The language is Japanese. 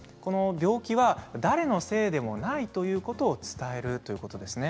病気は誰のせいでもないということを伝えるということですね。